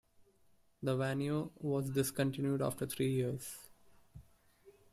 The Vaneo was discontinued after three years.